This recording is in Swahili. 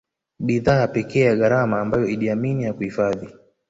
Bidhaa pekee ya gharama ambayo Idi Amin hakuhifadhi